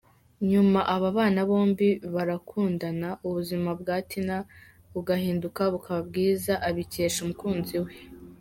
Nyuma aba bana bombi barakundana, ubuzima bwa Tina bugahinduka bukaba bwiza abikesheje umukunzi we.